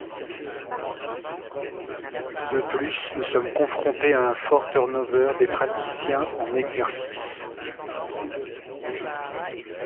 De plus, nous sommes confrontés à un fort turnover des praticiens en exercice.